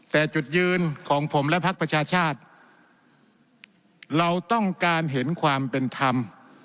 แต่จุดยืนของผมและพักประชาชาติเราต้องการเห็นความเป็นธรรม